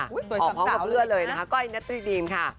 พร้อมพร้อมกับเพื่อนเลยนะคะก้อยนัตริดีมค่ะ